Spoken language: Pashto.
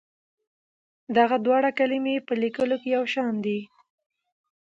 دغه دواړه کلمې په لیکلو کې یو شان دي.